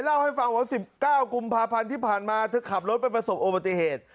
เล่าให้ฟังว่าสิบเก้ากลุ่มพาพันธุ์ที่ผ่านมาถึงขับรถเป็นประสบโอบัติเหตุ